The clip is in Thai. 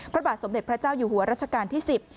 พระบาทสมเด็จพระเจ้าอยู่หัวรัชกาลที่๑๐